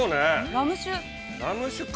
◆ラム酒か。